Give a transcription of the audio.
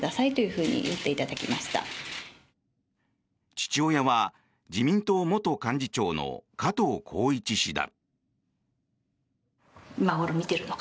父親は自民党元幹事長の加藤紘一氏だ。